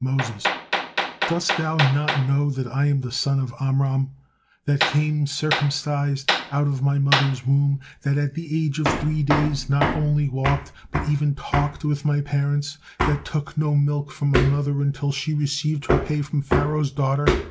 Moses: "Dost thou not know that I am the son of Amram, that came circumcised out of my mother's womb, that at the age of three days not only walked, but even talked with my parents, that took no milk from my mother until she received her pay from Pharaoh's daughter?